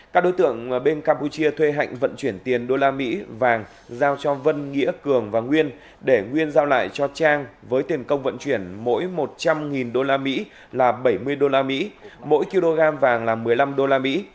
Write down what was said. các đối tượng bên campuchia thuê hạnh vận chuyển tiền đô la mỹ vàng giao cho vân nghĩa cường và nguyên để nguyên giao lại cho trang với tiền công vận chuyển mỗi một trăm linh usd là bảy mươi đô la mỹ mỗi kg vàng là một mươi năm đô la mỹ